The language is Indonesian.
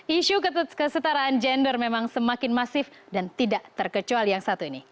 isu kesetaraan gender memang semakin masif dan tidak terkecuali yang satu ini